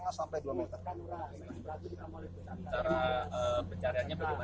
cara pencariannya bagaimana